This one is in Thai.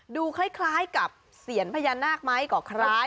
ดูคล้ายกับเซียนพญานาคมั้ยกว่าคล้าย